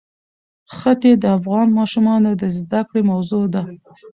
ښتې د افغان ماشومانو د زده کړې موضوع ده.